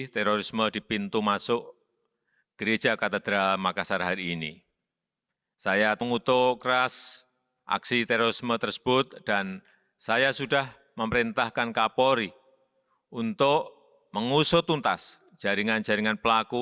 terorisme tersebut dan saya sudah memerintahkan kapolri untuk mengusut tuntas jaringan jaringan pelaku